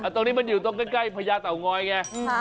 ตรงนี้มันอยู่ตรงใกล้พญาเต่างอยไง